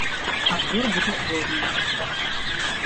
Обзор будет сложным.